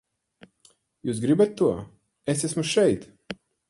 Jūs gribat to, es esmu šeit!